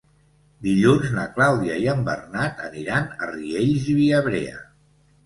Dilluns na Clàudia i en Bernat aniran a Riells i Viabrea.